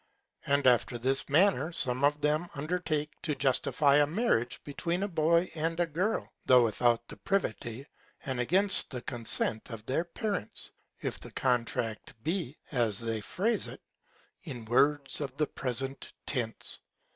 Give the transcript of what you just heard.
And after this Manner, some of them undertake to justify a Marriage between a Boy and a Girl, though without the Privity, and against the Consent of their Parents; if the Contract be (as they phrase it) in Words of the present Tense.